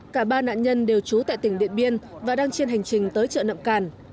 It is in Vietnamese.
cả ba nạn nhân đều trú tại tỉnh điện biên và đang trên hành trình tới chợ nậm càn